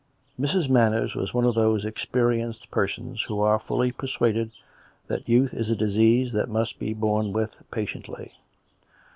Mrs. Manners was one of those experienced persons who are fully persuaded that youth is a disease that must be borne with patiently.